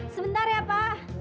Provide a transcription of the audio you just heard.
sebentar ya pak